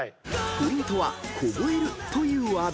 ［ポイントは「凍える」というワード。